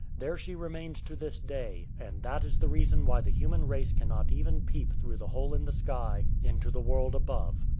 There she remains to this day; and that is the reason why the human race cannot even peep through the hole in the sky into the world above.